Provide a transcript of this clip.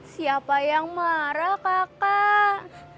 siapa yang marah kakak